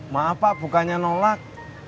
maaf pak bukannya nolak